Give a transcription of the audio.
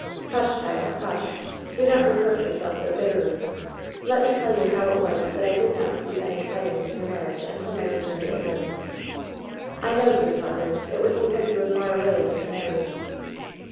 " 'Hush, child ; hush. Do not reproach yourself so bitterly. Let me tell you how it was that I did not receive any tidings of your marriage until my return to England.' " 'I know, dear father. It was because you were far away in the Canaries.'